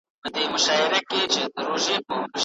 کوم کارونه د ذهن د نوښتګرۍ وړتیا زیاتوي؟